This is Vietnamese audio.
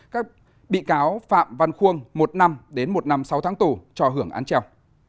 các bị cáo phạm văn khuôn một năm đến một năm sáu tháng tù cho hưởng án treo